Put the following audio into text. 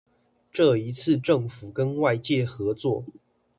這一次政府跟外界合作